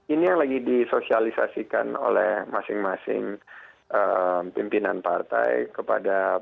ini yang lagi disosialisasikan oleh masing masing pimpinan partai kepada partai